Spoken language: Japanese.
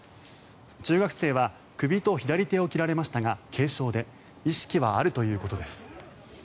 中学生は首と左手を切られましたが軽傷で意識はあるということです。